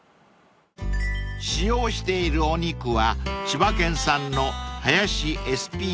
［使用しているお肉は千葉県産の］